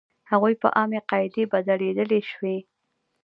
هغوی په عامې قاعدې بدلېدلی شوې.